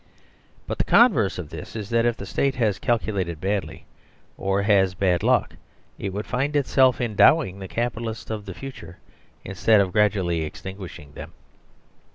But the converse of this is that if the State has calculated badly, or has bad luck, it would find itself endowing the Capitalists of the future instead of gradually extinguishing them.